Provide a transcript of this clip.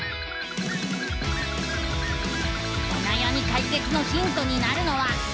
おなやみかいけつのヒントになるのは。